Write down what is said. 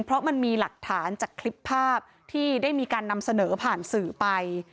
เพราะมันมีหลักฐานจากคลิปภาพที่ได้มีการนำเสนอผ่านสื่อไป